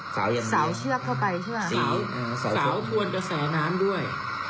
สาวเชือกเข้าไปใช่ปะสาวสาวควรจะแสนน้ำด้วย